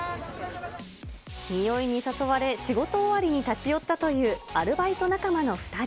匂いに誘われ、仕事終わりに立ち寄ったというアルバイト仲間の２人。